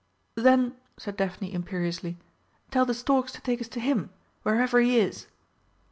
"Then," said Daphne imperiously, "tell the storks to take us to him wherever he is."